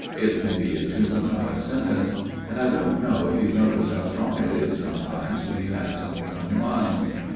It may be a tune or a sentence. And I don't know if you've noticed how strong it is sometimes when you have something on your mind.